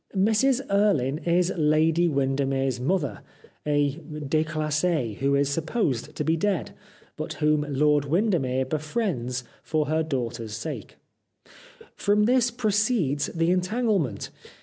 Mrs Erlynne is Lady Windermere's mother, a de classee who is supposed to be dead, but whom Lord Windermere befriends for her daughter's sake. From this proceeds the entanglement.